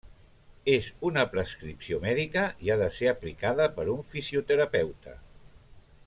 És una prescripció mèdica i ha de ser aplicada per un fisioterapeuta.